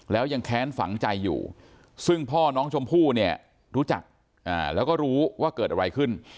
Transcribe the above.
แล้วยังแค้นฝังใจอยู่ซึ่งพ่อน้องชมพู่เนี่ยรู้จักแล้วก็รู้ว่าเกิดอะไรขึ้น